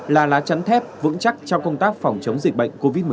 là lá chắn thép vững chắc trong công tác phòng chống dịch bệnh covid một mươi chín